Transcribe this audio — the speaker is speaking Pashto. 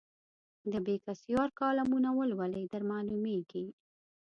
د بېکسیار کالمونه ولولئ درمعلومېږي.